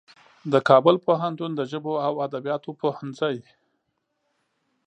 د کابل پوهنتون د ژبو او ادبیاتو پوهنځي